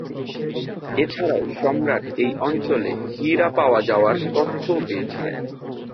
এছাড়াও সম্রাট এই অঞ্চলে হীরা পাওয়া যাওয়ার তথ্যও পেয়েছিলেন।